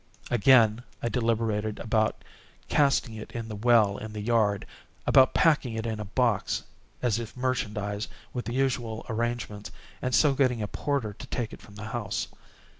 Again, I deliberated about casting it in the well in the yard—about packing it in a box, as if merchandise, with the usual arrangements, and so getting a porter to take it from the house.